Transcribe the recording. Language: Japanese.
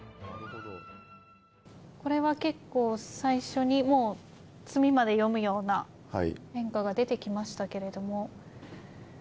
これは結構、最初にもう詰みまで読むような変化が出てきましたけれども。